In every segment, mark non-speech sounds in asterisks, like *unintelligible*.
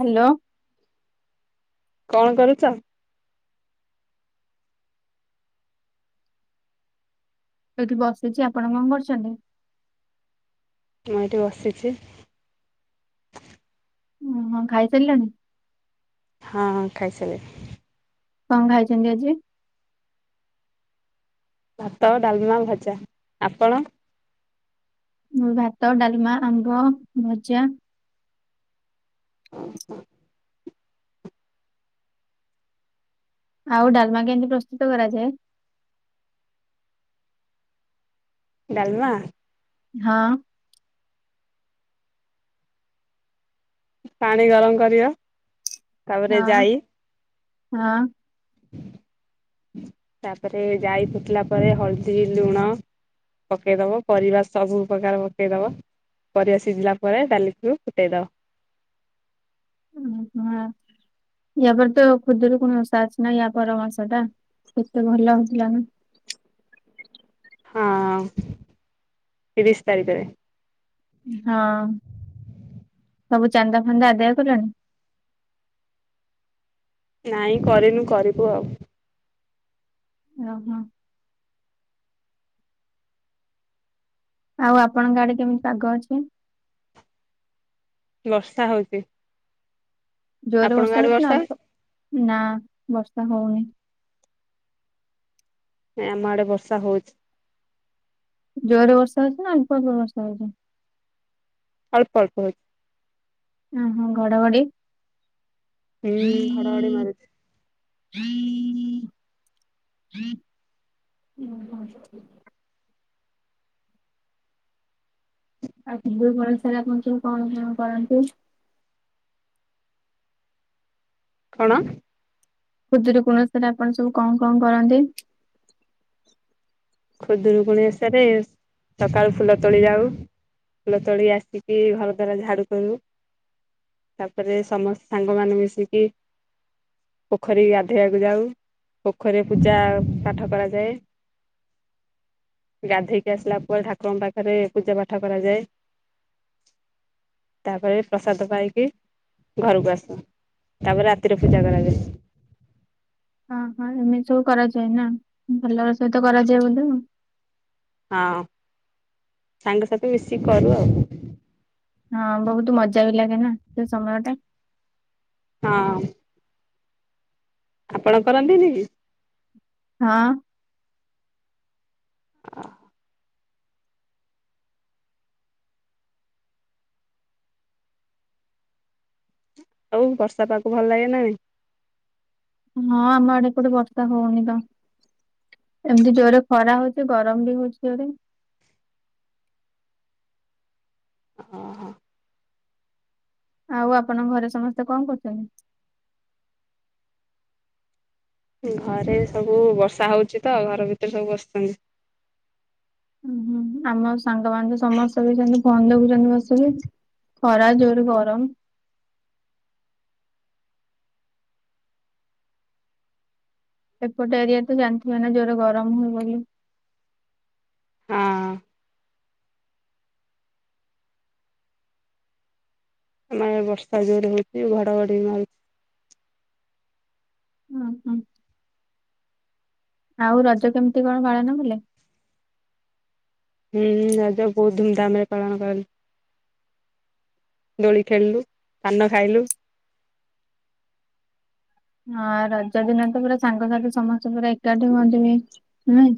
Hello. କଣ କରୁଛ? ଏଠି ବସିଚି ଆପଣ କଣ କରୁଛନ୍ତି? ମୁଁ ଏଠି ବସିଛି। ଓହୋ ଖାଇ ସାରିଲଣି? ହଁ ଖାଇ ସାଇଲିଣି। କଣ ଖାଇଚନ୍ତି ଆଜି? ଭାତ, ଡାଲମା, ଭଜା ଆପଣ? ଭାତ, ଡାଲମା, ଆମ୍ବ, ଭଜା। *inaudible* ଆଉ ଡାଲମା କେମତି ପ୍ରସ୍ତୁତ କରାଯାଏ? ଡାଲମା? ହଁ। ପାଣି ଗରମ କରିବ। ତାପରେ ହଁ ଜାଇ ହଁ। ତାପରେ ଜାଇ ଫୁଟିଲା ପରେ ହଳଦି, ଲୁଣ। ପକେଇ ଦବ, ପରିବା ସବୁ ପ୍ରକାର ପକେଇ ଦବ। ପରିବା ସିଝିଲା ପରେ ଡାଲିକୁୁ ଫୁଟେଇ ଦବ। ଓହୋ। ଇଆ ପରେ ତ ଖୁଦୁରୁକୁଣୀ ଓଷା ଅଛି ନା ଇଆ ପର ମାସଟା। କେତେ ଭଲ ଲାଗୁଥିଲା ନା। ହଁ ତିରିଶ ତାରିଖରେ। ହଁ ସବୁ ଚାନ୍ଦା ଫାନ୍ଦା ଆଦାୟ କଲଣି? ନାଇଁ କରିନୁ କରିବୁ ଆଉ। ଓହୋ। ଆଉ ଆପଣଙ୍କ ଆଡେ କେମିତି ପାଗ ଅଛି? ବର୍ଷା ହଉଚି। ଜୋରେ ବର୍ଷା ହଉଚି ନା ଅଳ୍ପ? ନା ବର୍ଷା ହଉନି। ଆମ ଆଡେ ବର୍ଷା ହଉଚି। ଜ୍ୱର୍ରେ ବର୍ଷା ହେଉଛି ନା ଅଳ୍ପ ଅଳ୍ପ ବର୍ଷା ହେଉଛି? ଅଳ୍ପ ଅଳ୍ପ ହେଉଛି। ଓ ହୋ ଘଡଘଡି? ହୁଁ ଘଡଘଡି ମାରୁଛି *inaudible* *unintelligible* କରନ୍ତି। କଣ? ହୁଦରୁ କୋଣ ସରେ ଆପଣ ସବୁ କଣ କଣ କରନ୍ତି? ଖୁଦରୁକୁୁଣି ଏସାରେ ସକାଳୁ ଫୁଲ ତୋଳି ଯାଉ, ଫୁଲ ତୋଳି ଆସିକି ଘର ଦ୍ଵାର ଝାଡୁ କରିବୁ, ତାପରେ ସମସ୍ତେ ସାଙ୍ଗ ମାନ ମିଶିକି ପୋଖରୀ ଗାଧୋଇବାକୁ ଯାଉ, ପୋଖରୀରେ ପୂଜା ପାଠ କରାଯାଏ, ଗାଧୋଇକି ଆସିଲା ପରେ ଠାକୁରଙ୍କ ପାଖରେ ପୂଜା ପାଠ କରାଯାଏ, ତାପରେ ପ୍ରସାଦ ପାଇକି ଘରକୁ ଆସି ତାପରେ ରାତିରେ ପୂଜା କରାଯାଏ। ହଁ ହଁ ଏମିତି ସବୁ କରାଯାଏ ନା ଭଲ ସହିତ କରାଯାଏ ବୋଧେ ଆଉ, ହଁ ସାଙ୍ଗସଥି ମିଶିକି କରୁ ଆଉ ହଁ ବହୁତ ମଜା ବି ଲାଗେ ନା ସେ ସମୟ ଟା ହଁ ଆପଣ କରନ୍ତିନି କି? ହଁ ଓ ଆଉ ବର୍ଷା ପାଗ୍କୁ ଭଲ ଲାଗେ ନା ନାଇ ହଁ ଆମ ଆଡେ କୁଟେ ବର୍ଷା ହଉନି ତ ଏମତି ଜୋରେ ଖରା ହଉଛି ଗରମ ବି ହଉଛି ଜୋରେ ଓ ହୋ ଆଉ ଆପଣଙ୍କ ଘରେ ସମସ୍ତେ କଣ କରୁଛନ୍ତି? ଘରେ ସବୁ ବର୍ଷା ହଉଛି ତ ଘର ଭିତରେ ସବୁ ବସ୍ଚନ୍ତି। ହଁ ହୁଁ ଆମ ସାଙ୍ଗମାନୋନ ତ ସମସ୍ତେ ବିଛନ୍ତି ଫୋନ ଦେଖୁଛନ୍ତି ବସିକି ଖରା ଜୋର ଗରମ ଏପଟ ଏରିଆ ତ ଜାଣିଥିବେ ନା ଜୋରେ ଗରମ ହୁଏ ବୋଲି ହଁ ଆମ ବର୍ଷା ଯୋଉରେ ହଉଛି ଘଡଘଡି ମାରୁଛି ହଁ ହଁ। ଆଉ ରଜ କେମିତି କଣ ପାଳନ ବଲେ? ହୁଁ ହୁଁ ରଜ ବହୁତ ଧୁମଧାମ ରେ ପାଳନ କର ଦୋଳି ଖେଳିଲୁ, ପାନ ଖାଇଲୁ, ହଁ ରଜ ଦିନ ତ ପୁରା ସାଙ୍ଗସାଥି ସମସ୍ତେ ପୁରା ଏକାଠି ହଉଥିବେ ନେଇ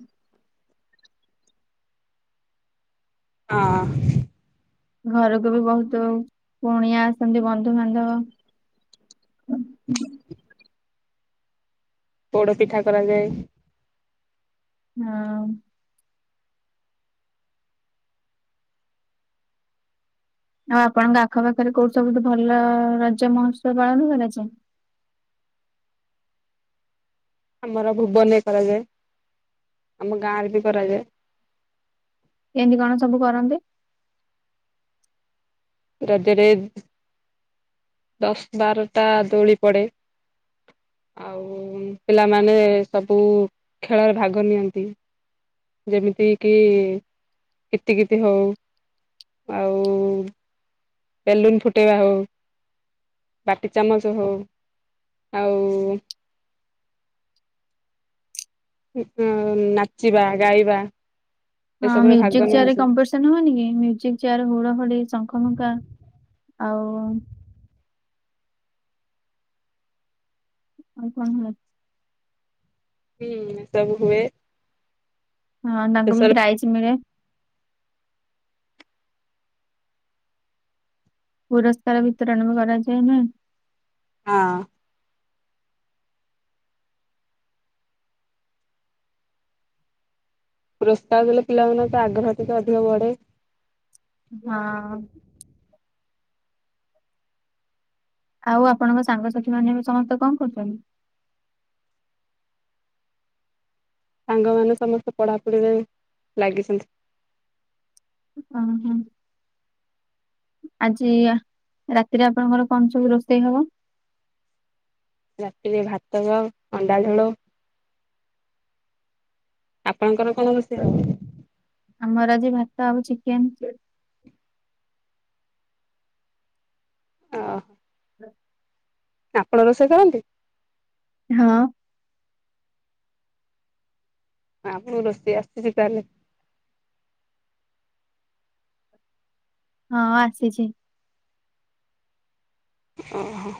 ହଁ ଘରକୁ ବି ବହୁତ କୁଣିଆ ଆସନ୍ତି ବନ୍ଧୁବାନ୍ଧବ ହଁ ପୋଡ ପିଠା କରାଯାଏ। ହଁ ଆଉ ଆପଣଙ୍କ ଆଖ ପାାଖରେ କୋଉ ସବୁୁ ଭଲ ରଜ ମହୋତ୍ସବ ପାଳନ କରାଯାଏ? ଆମର ଭୁବନ କରାଯାଏ ଆମ ଗାଁ ରେ ବି କରାଯାଏ କେମିତି କଣ ସବୁ କରନ୍ତି? ରଜରେ ଦଶ ବାରଟା ଦୋଳି ପଡେ। ଆଉ ପିଲାମାନେ ସବୁ ଖେଳରେ ଭାଗ ନିଅନ୍ତି। ଯେମିତି କି କିତିକିତି ହଉ ଆଉ ବେଲୁନ ଫୁଟେଇବା ହଉ। ବାଟି ଚାମଚ ହଉ ଆଉ। ଗୀତ ନାଚିବା ଗାଇବା। ହଁ ଏସବୁରେ ମ୍ୟୁଜିକ ଭାଗ ଚେୟାର ରେ ନିଅନ୍ତି କମ୍ପିଡିସନ ହୁଏନି କି ମ୍ୟୁଜିକ୍ ଚେୟାର ଘୁରା ଘୁରି ଶଙ୍ଖ ଫୁଙ୍କା। ଆଉ। ଆଉ କଣ ହୁଏ? ତି ସବୁ ହୁଏ। ହଁ ତାଙ୍କୁ ବି ଶେଷରେ ପ୍ରାଇଜ ମିଳେ। ପୁରସ୍କାର ବିିତରଣ ବି କରାଯାଏ ନା। ହଁ। ପୁରସ୍କାର ଦେଲେ ପିଲାମାନେ ତ ଆଗ୍ରହ କି କାଦୁଅ ଇଆଡେ। ହଁ ଆଉ ଆପଣଙ୍କ ସାଙ୍ଗସାଥି ମାନେ ଏବେ ସମସ୍ତେ କଣ କରୁଛନ୍ତି? ସାଙ୍ଗମାନେ ସମସ୍ତେ ପଢ଼ାପଢିରେ ଲାଗିଛନ୍ତି। ଅ ହଁ। ଆଜି ରାତିରେ ଆପଣଙ୍କର କଣ ସବୁ ରୋଷେଇ ହବ? ରାତିରେ ଭାତ ଗ ଅଣ୍ଡା ଝୋଳ। ଆପଣଙ୍କର କଣ ରୋଷେଇ ହବ? ଆମର ଆଜି ଭାତ ଆଉ ଚିକେନ। ଓହୋ। ହ ଆପଣ ରୋଷେଇ କରନ୍ତି? ହଁ। ଆଉ ରୋଷେଇ ଆସୁଛି ତାହେଲେ। ହଁ ଆସିଛି। ଓହୋ।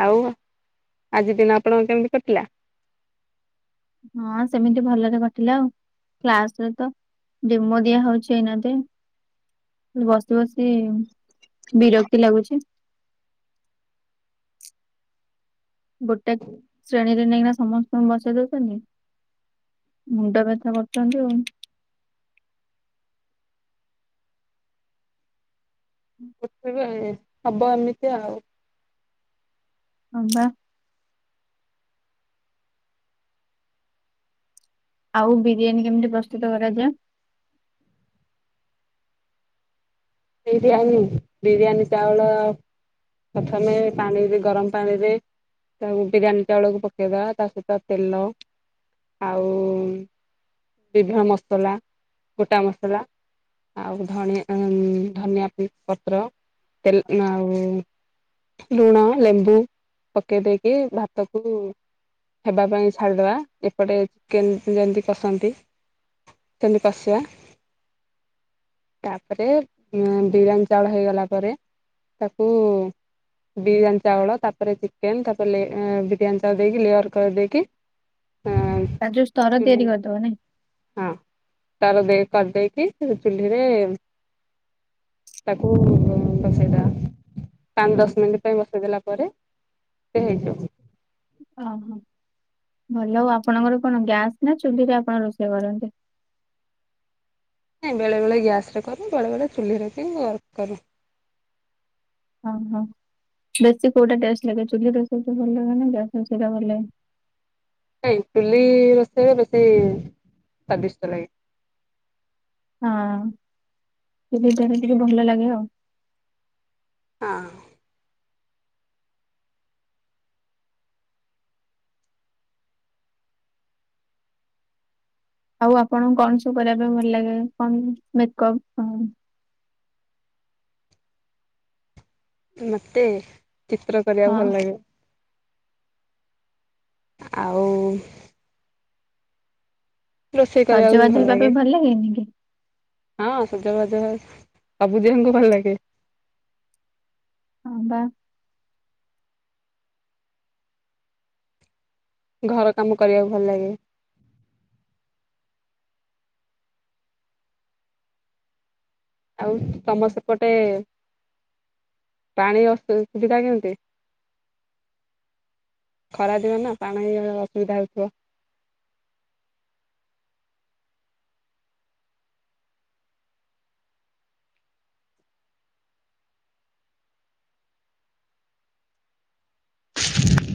ଆଉ ଆଜି ଦିନ ଆପଣଙ୍କ କେମିତି କଟିଲା? ହଁ ସେମିତି ଭଲରେ କଟିଲା ଆଉ କ୍ଲାସରେ ତ ଡେମୋ ଦିଆ ହଉଛି ଏଇନା ତ। ବସି ବସି ବିରକ୍ତି ଲାଗୁଛି। ଗୋଟେ ଶ୍ରେଣୀରେ ନେଇକିନା ସମସ୍ତଙ୍କୁ ବସେଇ ଦଉଛନ୍ତି। ମୁଣ୍ଡ ବ୍ୟଥା କରୁଛନ୍ତି ଆଉ। ଅରୁଆ ହୁଏ ହବ ଏମିତି ଆଉ। ହଁ ବା। ଆଉ ବିରିୟାନୀ କେମିତି ପ୍ରସ୍ତୁତ କରାଯାଏ? ବିରିୟାନୀ ବିରିୟାନୀ ଚାଉଳ। ପ୍ରଥମେ ପାଣିରେ ଗରମ ପାଣିରେ। ତାକୁ ବିରିୟାନୀ ଚାଉଳକୁ ପକେଇଦବା ତା ସହିତ ତେଲ ଆଉ। ବିଭିନ୍ନ ମସଲା ଗୋଟା ମସଲା ଆଉ ଧଣିଆ ଉଁ। ଧନିଆ ପୋଇ ପତ୍ର ତେଲ ଆଉ। ଲୁଣ ଲେମ୍ବୁ ପକେଇ ଦେଇକି ଭାତକୁ। ହେବା ପାଇଁ ଛାଡିଦବା ଏପଟେ ଚିକେନ ଯେମିତି କସନ୍ତି। ସେମିତି କଶିବା ତାପରେ। ଉଁ ବିରୀୟାନି ଚାଉଳ ହେଇଗଲା ପରେ ତାକୁ ବିରିୟାନି ଚାଉଳ ତାପରେ ଚିକେନ ତାପଲେ ଏ ବିରିୟାନି ଚାଉଳ ଦେଇକି ଲେୟାର କରିଦେଇକି ଁ ତାର ଯୋଉ ସ୍ତର ଚୁଲି ତିଆରି କରିଦବ ନାଇ। ହଁ ତାର କରିଦେଇକି ସେ ଯୋଉ ଚୁଲିରେ। *inaudible* ତାକୁ ବସେଇଦବା ପାଞ୍ଚ ଦଶ ମିନିଟ ପାଇଁ ବସେଇଦଲା ପରେ ହେଇଯିବ *unintelligible* ଅ ହଁ ଭଲ ହଉ ଆପଣଙ୍କର କଣ ଗ୍ୟାସ ନା ଚୁଲିରେ ଆପଣ ରୋଷେଇ କରନ୍ତି ନା ବେଳେ ବେଳେ ଗ୍ୟାସ ରେ କରୁ ବେଳେ ବେଳେ ଚୁଲିରେ କି କରେ ହଁ ହଁ ବେଶୀ କୋଉଟା ଲ ଚ ରେଇ ଭଲ ରେଇ ଭଲ ଲେ *unintelligible* ନାଇଁ ଚୁଲି ରୋଷେଇରେ ବେଶୀ ସ୍ଵାଦିଷ୍ଟ ଲାଗେ ହଁ ଚୁଲିରେ ଟିକେ ଭଲ ଲାଗେ ଆଉ ହଁ ଆଉ ଆପଣଙ୍କୁ କଣ ସବୁ କରିବା ପାଇଁ ଭଲ ଲାଗେ କଣ ମେକପ ମତେ ଚିତ୍ର କରିବା ହଁ ଭଲ ଲାଗେ ଆଉ ରୋଷେଇ କରିବାକୁ ବି ସଜବାଜ ହେବା ଲାଗେ। ପାଇଁ ଭଲ ଲାଗେନି କି ହଁ ସଜବାଜ ହେବାକୁ ସବୁ ଝିଅଙ୍କୁ ଭଲ ଲାଗେ ହଁ ବା ଘର କାମ କରିବାକୁ ଭଲ ଲାଗେ ଆଉ ତମ ସେପଟେ ପାଣି ଅସୁ ଅସୁବିଧା କେମିତି ଖରା ଯିବ ନା ପାଣି ଅସୁବିଧା ହେଉଥିବ ଆ *inaudible*